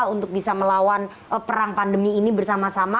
untuk bisa melawan perang pandemi ini bersama sama